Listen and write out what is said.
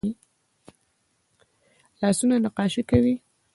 لاسونه نقاشي کوي